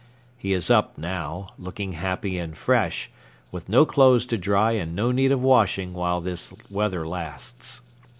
He is up now, looking happy and fresh, with no clothes to dry and no need of washing while this weather lasts.